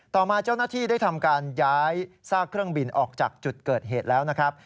ต่อมาเจ้าหน้าที่ได้ทำการย้ายซากเครื่องบินออกจากจุดเกิดเหตุแล้วนะครับ